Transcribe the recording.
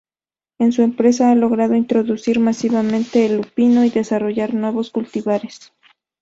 En su empresa ha logrado introducir masivamente el lupino y desarrollar nuevos cultivares.